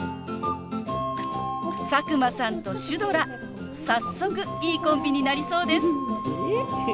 佐久間さんとシュドラ早速いいコンビになりそうです。